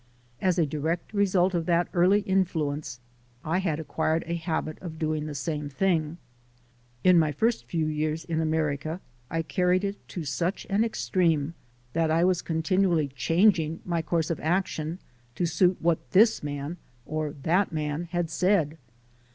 As a direct result of that early influence, I had acquired a habit of doing the same thing. In my first few years in America I carried it to such an extreme that I was continually changing my course of action to suit what this man or that man had said.